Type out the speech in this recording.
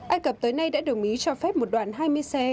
ai cập tới nay đã đồng ý cho phép một đoàn hai mươi xe